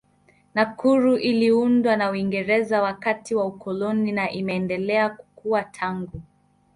Nakuru iliundwa na Uingereza wakati wa ukoloni na imeendelea kukua tangu.